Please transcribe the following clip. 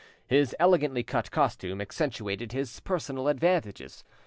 His elegantly cut costume accentuated his personal advantages.